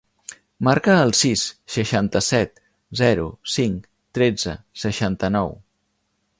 Marca el sis, seixanta-set, zero, cinc, tretze, seixanta-nou.